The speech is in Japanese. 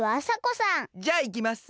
じゃあいきます。